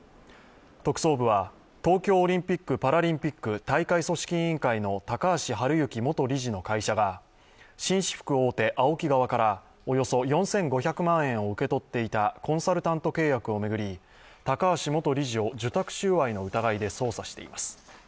特捜部は東京オリンピック・パラリンピック大会組織委員会の高橋治之元理事の会社が紳士服大手・ＡＯＫＩ側からおよそ４５００万円を受け取っていたコンサルタント契約を巡り高橋氏を受託収賄の疑いで捜査しています。